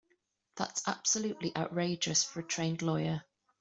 That's absolutely outrageous for a trained lawyer.